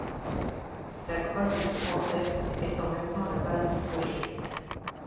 La croisée du transept est en même temps la base du clocher.